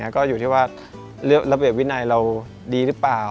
ก็อยู่ที่ว่าระเบียบวินัยเราดีหรือเปล่า